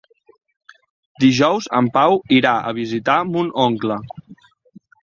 Dijous en Pau irà a visitar mon oncle.